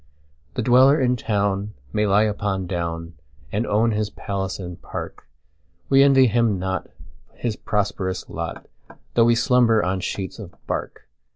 The dweller in town may lie upon down, And own his palace and park:We envy him not his prosperous lot, Though we slumber on sheets of bark.